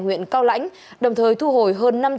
huyện cao lãnh đồng thời thu hồi hơn